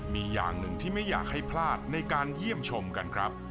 มีอย่างหนึ่งที่ไม่อยากให้พลาดในการเยี่ยมชมกันครับ